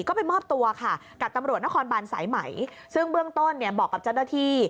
ก็ไปมอบตัวค่ะกับตำรวจนครบานสายไหมซึ่งเบื้องต้นเนี่ยบอกกับเจ้าหน้าที่